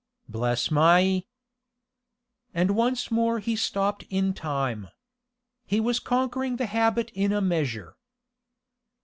Bless my " And once more he stopped in time. He was conquering the habit in a measure.